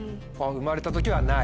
「生まれた時はない」。